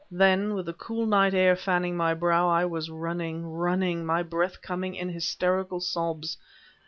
Then, with the cool night air fanning my brow, I was running, running my breath coming in hysterical sobs.